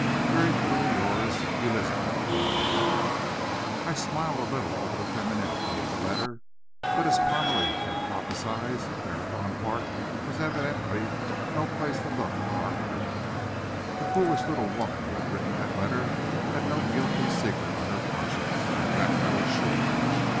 Very truly yours, ELIZABETH CUNNINGHAM. I smiled a little over the femininity of the letter, but as Parmalee had prophesied, Marathon Park was evidently no place to look for our criminal. The foolish little woman who had written that letter, had no guilty secret on her conscience, of that I was sure.